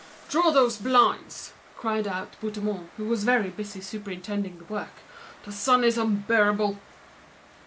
"Draw those blinds!" cried out Bouthemont, very busy superintending the work. "The sun is unbearable!"